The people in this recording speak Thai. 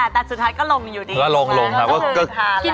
แต่สุดท้ายก็ลงอยู่ดี